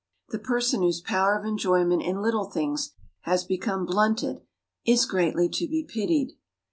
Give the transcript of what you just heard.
The person whose power of enjoyment in little things has become blunted, is greatly to be pitied.